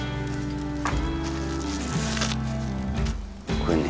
これね